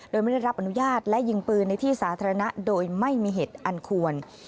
โดยไม่ได้รับอนุญาตและยิงปืนในที่สาธารณะโดยไม่มีเหตุอันควร